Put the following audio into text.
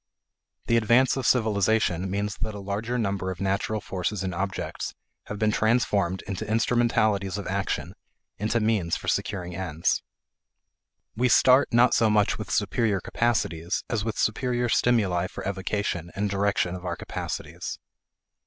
The advance of civilization means that a larger number of natural forces and objects have been transformed into instrumentalities of action, into means for securing ends. We start not so much with superior capacities as with superior stimuli for evocation and direction of our capacities.